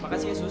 makasih ya sus